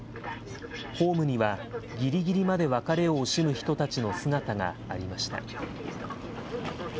ホームには、ぎりぎりまで別れを惜しむ人たちの姿がありました。